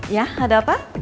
ya ada apa